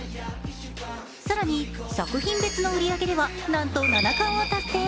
更に、作品別の売り上げではなんと７冠を達成。